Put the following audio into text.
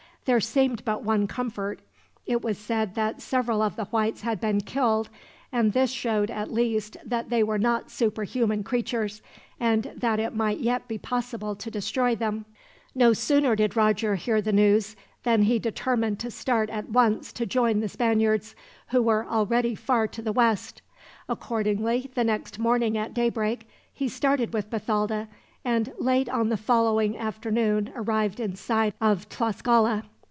There seemed but one comfort. It was said that several of the Whites had been killed, and this showed, at least, that they were not superhuman creatures, and that it might yet be possible to destroy them. No sooner did Roger hear the news than he determined to start, at once, to join the Spaniards, who were already far to the west. Accordingly, the next morning at daybreak, he started with Bathalda, and late on the following afternoon arrived in sight of Tlascala.